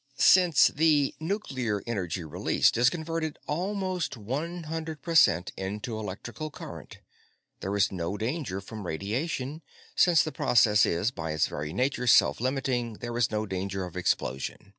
"Since the nuclear energy released is converted almost one hundred per cent into electrical current, there is no danger from radiation; since the process is, by its very nature, self limiting, there is no danger of explosion.